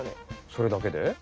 それだけで？